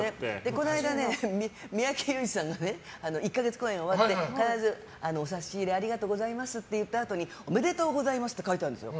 この間、三宅裕司さんの１か月公演が終わって必ず、差し入れありがとうございますって言ったあとにおめでとうございます！って書いてあるんですよ。